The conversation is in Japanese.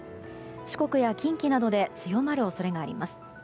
四国や近畿などで強まる恐れがあります。